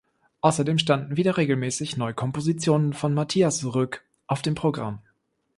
Außerdem standen wieder regelmäßig Neukompositionen von Mathias Rüegg auf dem Programm.